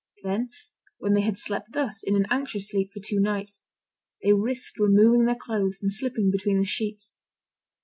Then, when they had slept thus, in an anxious sleep, for two nights, they risked removing their clothes, and slipping between the sheets.